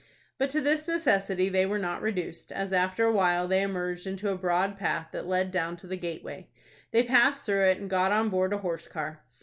But to this necessity they were not reduced, as after a while they emerged into a broad path that led down to the gateway. They passed through it, and got on board a horse car.